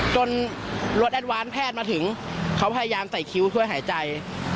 จนรถแอดวานแพทย์มาถึงเขาพยายามใส่คิ้วช่วยหายใจ